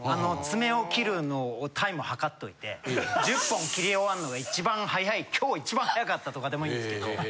爪を切るのをタイムはかっといて１０本切り終わんのが一番速い今日一番速かったとかでもいいんですけど。